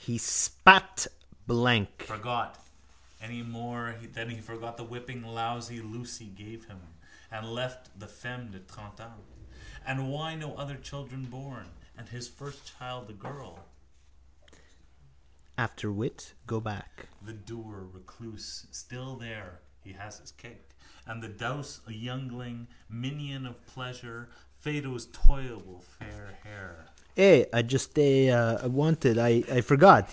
He spat blank. Forgot: any more than he forgot the whipping lousy Lucy gave him. And left the femme de trente ans. And why no other children born? And his first child a girl? Afterwit. Go back. The dour recluse still there (he has his cake) and the douce youngling, minion of pleasure, Phedo's toyable fair hair. Eh... I just eh... wanted... I forgot...